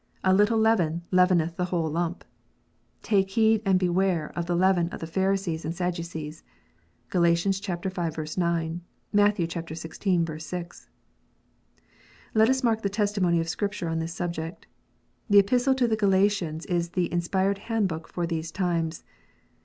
" A little leaven leaveneth the whole lump." " Take heed and beware of the leaven of the Pharisees and Sadducees." (Gal. v. 9 ; Matt. xvi. 6.) Let us mark the testimony of Scripture on this subject. The Epistle to the Galatians is the inspired handbook for these times.